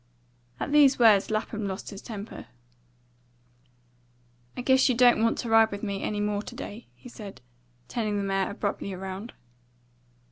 At these words Lapham lost his temper. "I guess you don't want to ride with me any more to day," he said, turning the mare abruptly round.